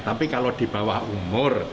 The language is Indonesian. tapi kalau di bawah umur